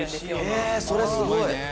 「ええーそれすごい！」